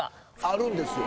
あるんですよ。